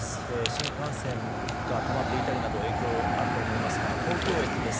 新幹線が止まっていたりなど影響があると思いますが東京駅です。